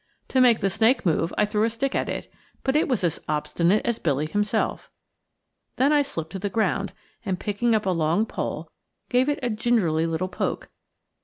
To make the snake move, I threw a stick at it, but it was as obstinate as Billy himself. Then I slipped to the ground, and picking up a long pole gave it a gingerly little poke.